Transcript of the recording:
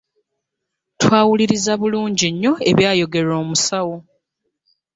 Twawuliriza bulungi nnyo ebyayogerwa omusawo.